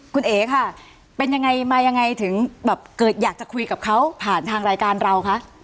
คุณเอ๋ค่ะเป็นยังไงมายังไงถึงแบบเกิดอยากจะคุยกับเขาผ่านทางรายการเราคะ